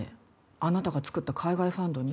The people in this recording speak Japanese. あなたがつくった海外ファンドに？